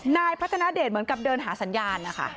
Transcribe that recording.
นายพัฒนาเดชเหมือนกับเดินหาสัญญาณนะคะ